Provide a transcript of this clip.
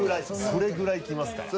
それぐらい来ますから。